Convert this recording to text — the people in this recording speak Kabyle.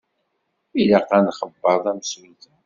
Ilaq ad nxebber tamsulta.